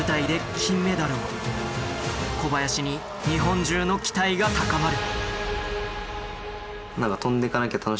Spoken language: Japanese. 小林に日本中の期待が高まる。